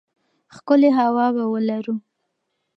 ښکلې هوا به ولرو.